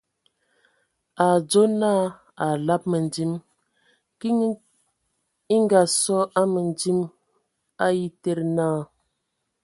A a adzo naa a alab məndim, kiŋ e Ngaasɔ a mǝndim a etede naa :